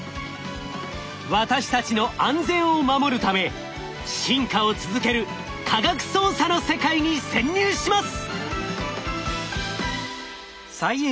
私たちの安全を守るため進化を続ける「科学捜査」の世界に潜入します！